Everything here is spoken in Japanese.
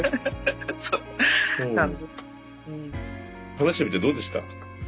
話してみてどうでした？